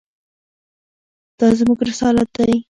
دا زموږ رسالت دی.